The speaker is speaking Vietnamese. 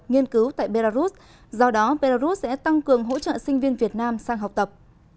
nghiên cứu tại belarus do đó belarus sẽ tăng cường hỗ trợ sinh viên việt nam sang học tập